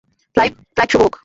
Flight শুভ হোক।